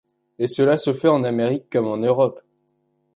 Et cela se fait en Amérique comme en Europe.